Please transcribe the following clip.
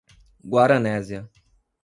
Guaranésia